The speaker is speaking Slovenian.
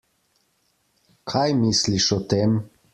Kaj misliš o tem?